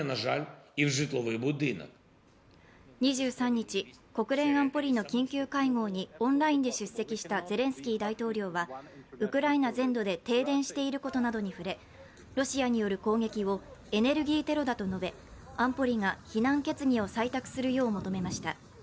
２３日、国連安保理の緊急会合にオンラインで出席したゼレンスキー大統領はウクライナ全土で停電していることなどに触れロシアによる攻撃をエネルギーテロだと述べ安保理が非難決議を採択するよう求めました。